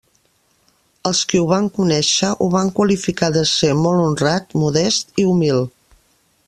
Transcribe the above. Els qui ho van conèixer ho van qualificar de ser molt honrat, modest i humil.